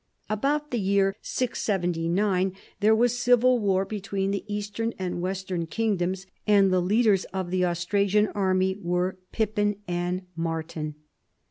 About the year 679 there was civil war between the eastern and western kingdoms, and the leaders of the Austra sian army were Pippin and Martin.